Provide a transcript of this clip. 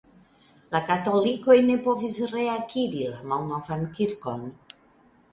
La katolikoj ne povis reakiri la malnovan kirkon.